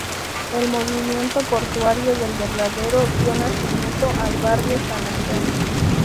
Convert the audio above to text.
El movimiento portuario del varadero dio nacimiento al barrio San Antonio.